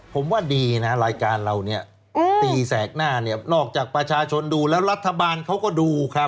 ผมว่าดีนะรายการเราเนี่ยตีแสกหน้าเนี่ยนอกจากประชาชนดูแล้วรัฐบาลเขาก็ดูครับ